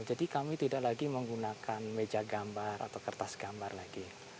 jadi kami tidak lagi menggunakan meja gambar atau kertas gambar lagi